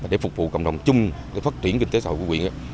để phục vụ cộng đồng chung để phát triển kinh tế sở của quyền